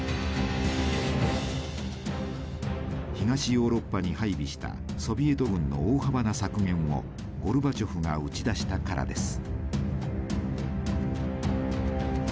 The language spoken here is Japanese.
東ヨーロッパに配備したソビエト軍の大幅な削減をゴルバチョフが打ち出したからです。